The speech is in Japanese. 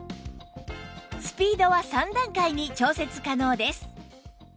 スピードは３段階に調節可能です